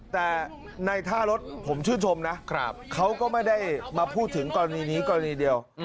แต่ในท่ารถผมชื่นชมนะเขาก็ไม่ได้มาพูดถึงกรณีนี้กรณีเดียว